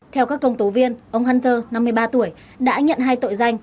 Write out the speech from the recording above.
theo các công tố viên ông hunter năm mươi ba tuổi đã nhận hai tội danh